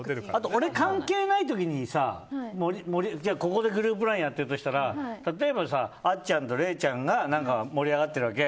俺、関係ない時に例えばここでグループＬＩＮＥをやってるとしたら例えば、あっちゃんと礼ちゃんが盛り上がってるわけ。